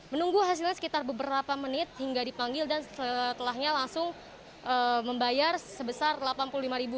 menunggu hasilnya sekitar beberapa menit hingga dipanggil dan setelahnya langsung membayar sebesar rp delapan puluh lima